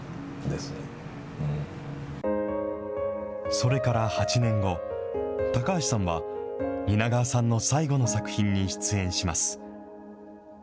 それから８年後、高橋さんは、蜷川さんの最後の作品に出演します。